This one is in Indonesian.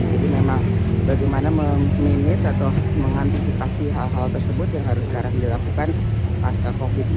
jadi memang bagaimana meminit atau mengantisipasi hal hal tersebut yang harus sekarang dilakukan pas covid sembilan belas